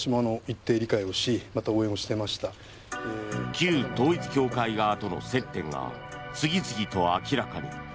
旧統一教会側との接点が次々と明らかに。